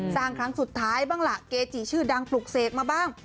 ครั้งสุดท้ายบ้างล่ะเกจิชื่อดังปลุกเสกมาบ้าง